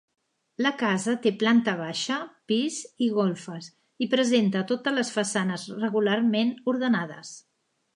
La casa té planta baixa, pis i golfes i presenta totes les façanes regularment ordenades.